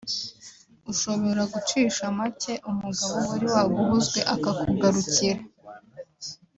ushobora gucisha make umugabo wari waguhuzwe akakugarukira